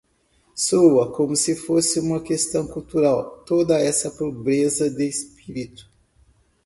Soa como se fosse uma questão cultural toda essa pobreza de espírito